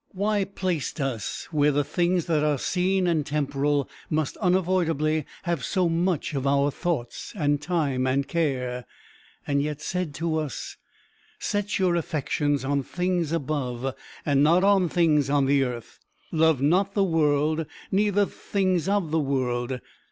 Why placed us where the things that are seen and temporal must unavoidably have so much of our thoughts, and time, and care, yet said to us, "Set your affections on things above, and not on things on the earth. Love not the world, neither the things of the world"?